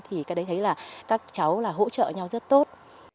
thì cái đấy thấy là các cháu là hỗ trợ nhau rất tốt